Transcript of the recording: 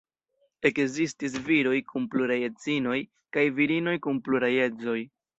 Ekzistis viroj kun pluraj edzinoj, kaj virinoj kun pluraj edzoj.